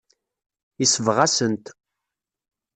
Yesbeɣ-asen-t.